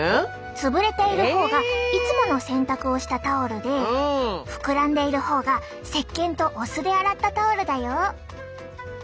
潰れている方がいつもの洗濯をしたタオルで膨らんでいる方がせっけんとお酢で洗ったタオルだよ。